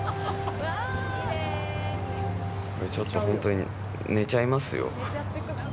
ちょっと、ほんとに寝ちゃいますよ。